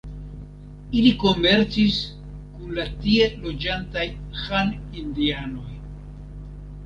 Ili komercis kun la tie loĝantaj Han-indianoj.